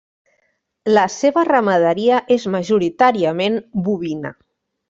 La seva ramaderia és majoritàriament bovina.